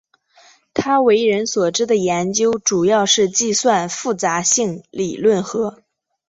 他为人所知的研究主要是计算复杂性理论和。